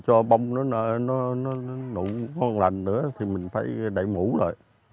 cho bông nó nụ nó còn lành nữa thì mình phải đậy mũ rồi